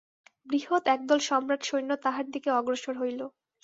বৃহৎ একদল সম্রাটসৈন্য তাঁহার দিকে অগ্রসর হইল।